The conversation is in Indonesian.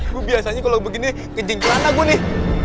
gua biasanya kalau begini kencing kerana gua nih